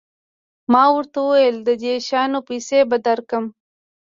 ما ورته وویل د دې شیانو پیسې به درکړم.